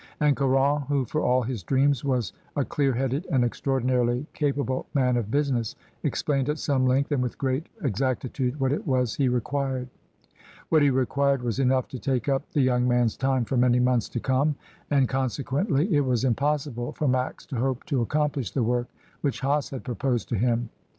And Caron, who for all his dreams was a clear headed and extraordinarily capable man of busi 208 MRS. DYMOND. ness, explained at some length and with great ex actitude what it was he required. What he required was enough to take up the young man's time for many months to come, and consequently it was impossible for Max to hope to accomplish the work which Hase had proposed to him.